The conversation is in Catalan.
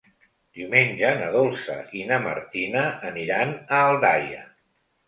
Diumenge na Dolça i na Martina aniran a Aldaia.